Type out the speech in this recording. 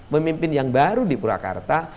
memimpin yang baru di purwakarta